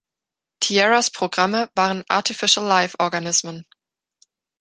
Tierras Programme waren Artificial-Life-Organismen.